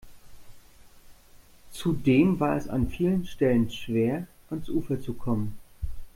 Zudem war es an vielen Stellen schwer, ans Ufer zu kommen.